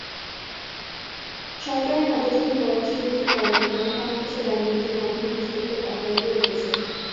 সরকারের নতজানু পররাষ্ট্রনীতির কারণে ভারত বাংলাদেশের রাজনীতিতে নগ্ন হস্তক্ষেপ অব্যাহত রেখেছে।